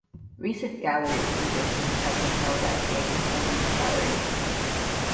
Recent gallery exhibitions have been held at Gagosian Gallery.